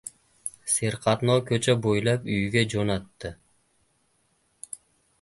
Serqatnov ko‘cha bo‘ylab uyiga jo‘natdi.